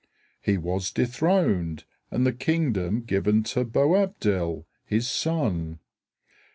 He was dethroned, and the kingdom given to Boabdil, his son.